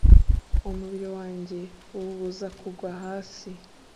umubiri wanjye uwubuza kugwa hasi